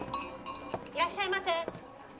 いらっしゃいませ。